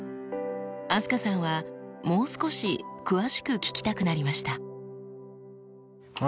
飛鳥さんはもう少し詳しく聞きたくなりました。